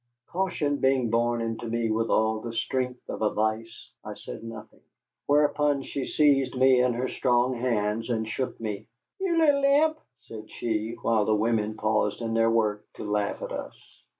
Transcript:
Caution being born into me with all the strength of a vice, I said nothing. Whereupon she seized me in her strong hands and shook me. "Ye little imp!" said she, while the women paused in their work to laugh at us.